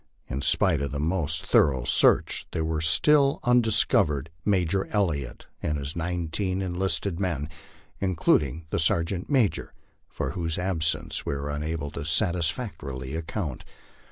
In spite of the most thorough search, there were still undiscovered Major Elliott and nineteen enlisted men, including the sergeant major, for whose absence we were unable to satisfactorily account.